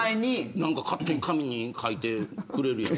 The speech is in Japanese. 何か勝手に紙に書いてくれるやん。